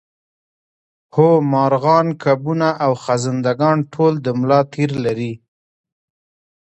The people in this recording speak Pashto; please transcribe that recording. هو مارغان کبونه او خزنده ګان ټول د ملا تیر لري